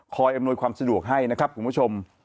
อำนวยความสะดวกให้นะครับคุณผู้ชม